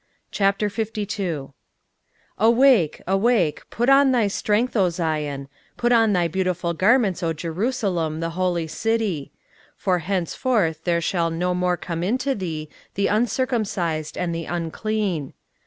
23:052:001 Awake, awake; put on thy strength, O Zion; put on thy beautiful garments, O Jerusalem, the holy city: for henceforth there shall no more come into thee the uncircumcised and the unclean.